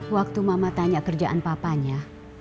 waktu mama tanya kerjaan papanya